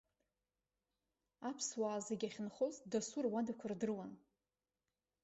Аԥсуаа зегьы ахьынхоз, дасу руадақәа рдыруан.